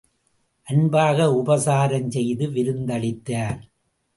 அன்பாக உபசாரம் செய்து விருந்தளித்தார்.